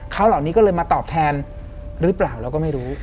เขาเหล่านี้ก็เลยมาตอบแทนหรือเปล่าเราก็ไม่รู้